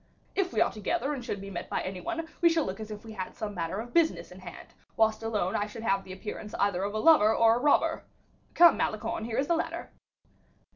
If we are together, and should be met by any one, we shall look as if we had some matter of business in hand; whilst alone I should have the appearance either of a lover or a robber. Come, Malicorne, here is the ladder."